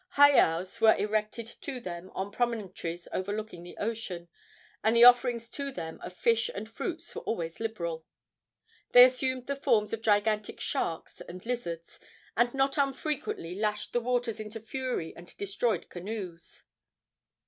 Heiaus were erected to them on promontories overlooking the ocean, and the offerings to them of fish and fruits were always liberal. They assumed the forms of gigantic sharks and lizards, and not unfrequently lashed the waters into fury and destroyed canoes.